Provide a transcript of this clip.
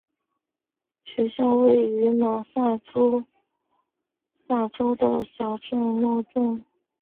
学校位于马萨诸塞州的小镇诺顿。